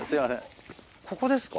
ここですか？